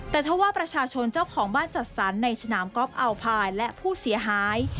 แต่ถ้าว่าประชาชนเจ้าของบ้านจัดสรรในสนามกอล์อัลพายและผู้เสียหาย